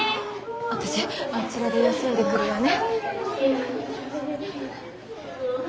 私あちらで休んでくるわね。